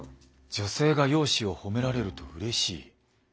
女性が容姿を褒められるとうれしい。